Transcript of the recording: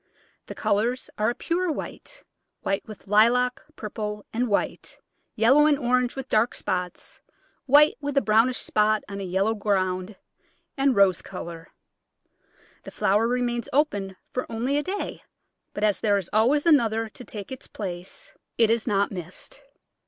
The colours are a pure white, white with lilac, purple and white, yellow and orange with dark spots, white with a brownish spot on a yellow ground, and rose colour. The flower remains open for only a day, but as there is always another to take its place it is not missed.